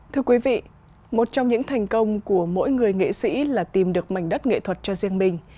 thưa quý vị một trong những thành công của mỗi người nghệ sĩ là tìm được mảnh đất nghệ thuật cho riêng mình